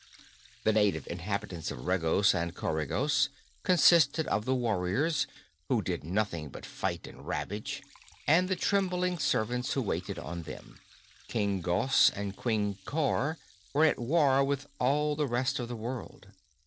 The native inhabitants of Regos and Coregos consisted of the warriors, who did nothing but fight and ravage, and the trembling servants who waited on them. King Gos and Queen Cor were at war with all the rest of the world.